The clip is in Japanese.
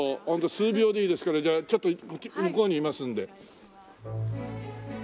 ホント数秒でいいですからじゃあちょっと向こうにいますんで。